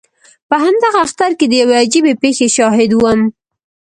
په همدغه اختر کې د یوې عجیبې پېښې شاهد وم.